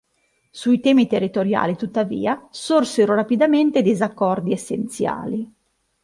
Sui temi territoriali, tuttavia, sorsero rapidamente disaccordi essenziali.